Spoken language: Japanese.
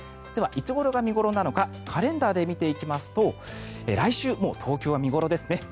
では、いつごろが見頃なのかカレンダーで見ていきますと来週、東京は見頃ですね。